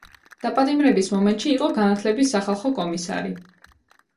დაპატიმრების მომენტში იყო განათლების სახალხო კომისარი.